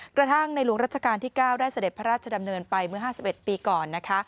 กระทั่งในหลวงรัชกาลที่๙ได้เสด็จพระราชดำเนินไปเมื่อ๕๑ปีก่อนนะคะ